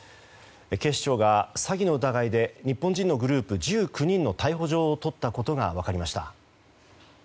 警視庁が詐欺の疑いで日本人のグループ１９人の逮捕状を取ったことが分かりました。